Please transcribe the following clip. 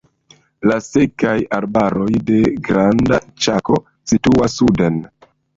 La sekaj arbaroj de Granda Ĉako situas suden.